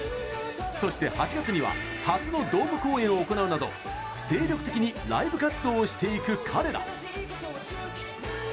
そして８月には初のドーム公演を行うなど精力的にライブ活動をしていく彼ら。